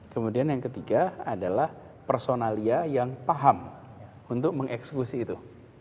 kemudian yang ketiga adalah personalia yang paham untuk mengeksekusi itu